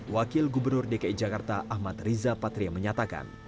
wakil gubernur dki jakarta ahmad riza patria menyatakan